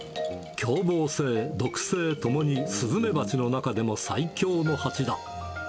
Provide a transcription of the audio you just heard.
凶暴性、毒性ともにスズメバチの中でも最強のハチだ。